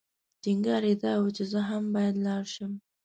ټینګار یې دا و چې زه هم باید لاړ شم.